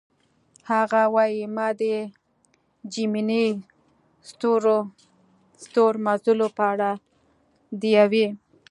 هغه وايي: "ما د جیمیني ستورمزلو په اړه د یوې.